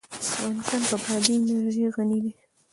افغانستان په بادي انرژي غني دی.